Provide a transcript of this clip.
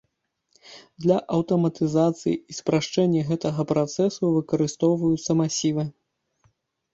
Для аўтаматызацыі і спрашчэння гэтага працэсу выкарыстоўваюцца масівы.